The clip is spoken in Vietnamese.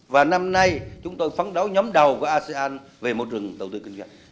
và năm nay việt nam sẽ phấn đấu trở thành nhóm đầu trong khối asean về đầu tư kinh doanh